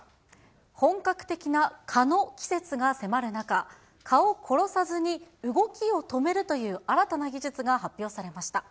本格的な蚊の季節が迫る中、蚊を殺さずに動きを止めるという新たな技術が発表されました。